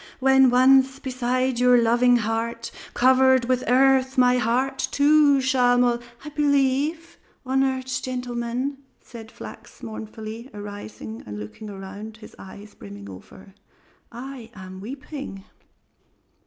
"When once beside your loving heart covered with earth my heart too shall mol " "I believe, honored gentlemen," said Flachs mournfully, arising and looking around, his eyes brimming over, "I am weeping."